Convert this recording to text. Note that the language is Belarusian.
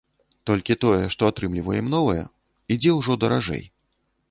Толькі тое, што атрымліваем новае, ідзе ўжо даражэй.